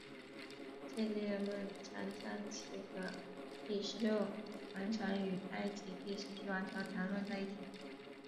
现今人们常将其和第十六王朝与埃及第十七王朝谈论在一起。